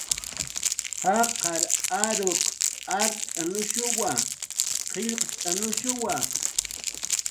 Jaqar aruq art'anushuwa, qillqt'anushuwa